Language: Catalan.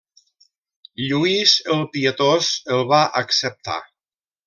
Lluís el Pietós el va acceptar.